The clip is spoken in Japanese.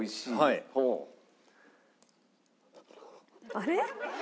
「あれ？」